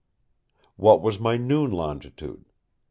What was my noon longitude?